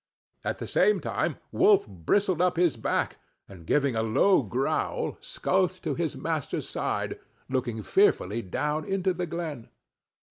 "—at the same time Wolf bristled up his back, and giving a low growl, skulked to his master's side, looking fearfully down into the glen.